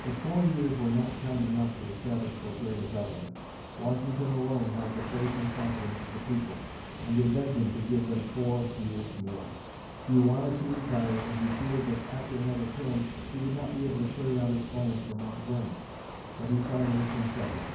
But four years were not time enough to establish so great a government. Washington alone held the faith and confidence of the people, and they begged him to give them four years more. He wanted to retire, as he feared that, after another term, he would not be able to carry out his plans for Mount Vernon; but he finally consented.